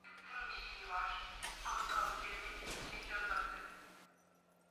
kupitia Wavuti magazeti na programu za kiteknolojia